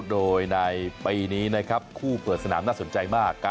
โดยในปีนี้คู่เปิดสนามหน้าสนใจมาก